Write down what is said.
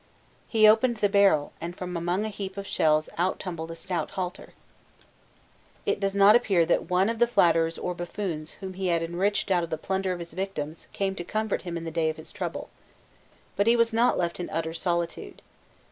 He opened the barrel; and from among a heap of shells out tumbled a stout halter, It does not appear that one of the flatterers or buffoons whom he had enriched out of the plunder of his victims came to comfort him in the day of trouble. But he was not left in utter solitude.